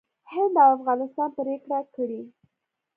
هند او افغانستان پرېکړه کړې